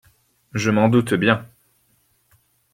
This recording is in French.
Je m'en doute bien.